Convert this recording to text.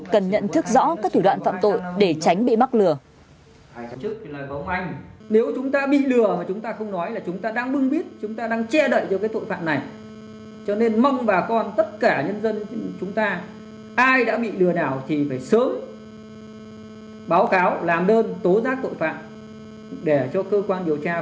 cần nhận thức rõ các thủ đoạn phạm tội để tránh bị bắt lừa